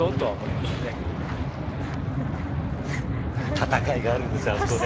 戦いがあるんです、あそこで。